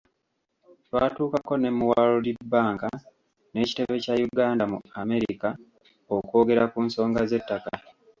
Twatuukako ne mu world Bank n’ekitebe kya Uganda mu america okwogera ku nsonga z’ettaka.